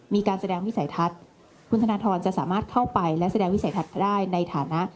มีการแสดงวิสัยทัศน์คุณธนทรจะสามารถเข้าไปและแสดงวิสัยทัศน์ได้ในฐานะ